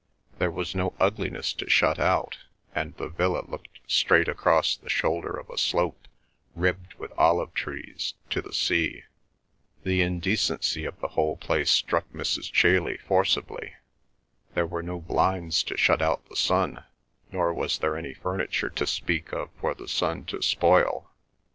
There was no ugliness to shut out, and the villa looked straight across the shoulder of a slope, ribbed with olive trees, to the sea. The indecency of the whole place struck Mrs. Chailey forcibly. There were no blinds to shut out the sun, nor was there any furniture to speak of for the sun to spoil.